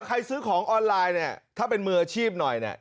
ซื้อของออนไลน์เนี่ยถ้าเป็นมืออาชีพหน่อยเนี่ย